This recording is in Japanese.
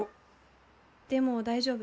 でも大丈夫。